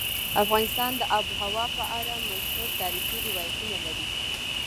افغانستان د آب وهوا په اړه مشهور تاریخی روایتونه لري.